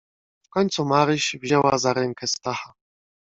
"W końcu Maryś wzięła za rękę Stacha."